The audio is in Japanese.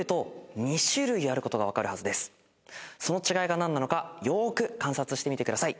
その違いが何なのかよーく観察してみてください。